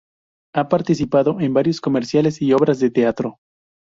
Ha participado en varios comerciales y obras de teatro.